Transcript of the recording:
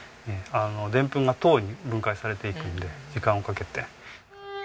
でんぷんが糖に分解されていくので時間をかけて。